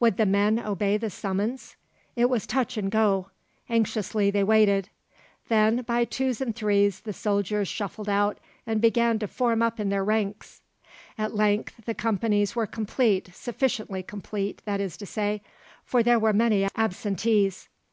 Would the men obey the summons? It was touch and go. Anxiously they waited. Then by twos and threes the soldiers shuffled out and began to form up in their ranks. At length the companies were complete, sufficiently complete, that is to say, for there were many absentees.